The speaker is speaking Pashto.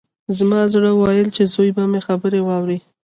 زما زړه ویل چې زوی به مې خبرې واوري